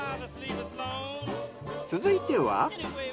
続いては。